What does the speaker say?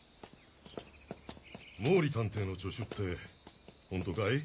毛利探偵の助手って本当かい？